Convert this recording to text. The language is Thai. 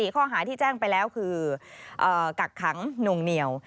ข้อหาที่แจ้งไปแล้วคือกักขังหน่วงเหนียว